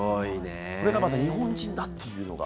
これがまず日本人だっていうのが。